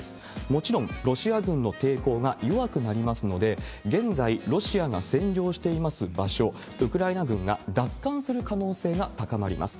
もちろんロシア軍の抵抗が弱くなりますので、現在、ロシアが占領しています場所、ウクライナ軍が奪還する可能性が高まります。